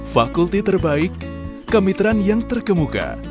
fakulti terbaik kemitraan yang terkemuka